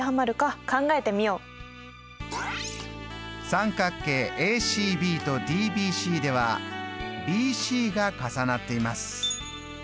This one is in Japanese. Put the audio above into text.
三角形ＡＣＢとＤＢＣではＢＣが重なっています。